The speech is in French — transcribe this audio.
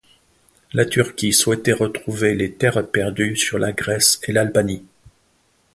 La Turquie souhaitait retrouver les terres perdues sur la Grèce et l'Albanie.